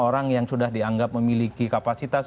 orang yang sudah dianggap memiliki kapasitas